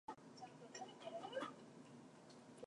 One of them is the threat of depletion of oil and gas reserves.